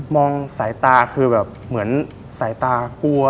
สายตาคือแบบเหมือนสายตากลัว